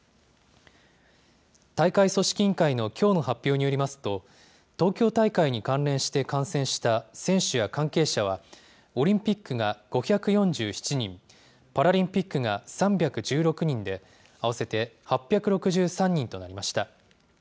大会組織委員会のきょうの発表によりますと、東京大会に関連して感染した選手や関係者は、オリンピックが５４７人、パラリンピックが３１６人で、合わせて８６３人となりました。